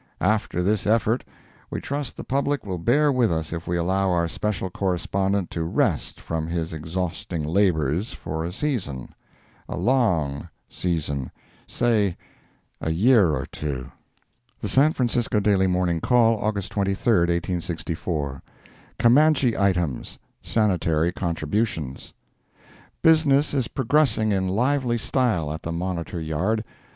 After this effort, we trust the public will bear with us if we allow our special correspondent to rest from his exhausting labors for a season—a long season—say a year or two. The San Francisco Daily Morning Call, August 23, 1864 CAMANCHE ITEMS—SANITARY CONTRIBUTIONS Business is progressing in lively style at the Monitor Yard.